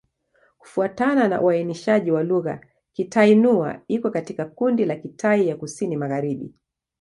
Kufuatana na uainishaji wa lugha, Kitai-Nüa iko katika kundi la Kitai ya Kusini-Magharibi.